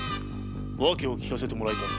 訳を聞かせてもらいたい。